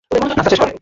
নাস্তা শেষ করো!